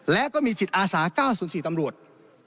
และก็มีจิตอาสา๙๐๔ตำรวจ